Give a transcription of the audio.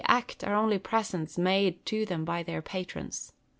125 act, are only presents made to thera by their patrons.